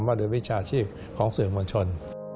วัฒนธรรมวิชาชีพของสื่อมวลชน